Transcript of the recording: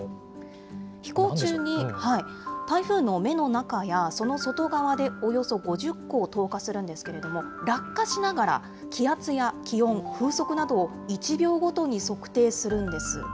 飛行中に台風の目の中や、その外側でおよそ５０個を投下するんですけど、落下しながら気圧や気温、風速などを１秒ごとに測定するんです。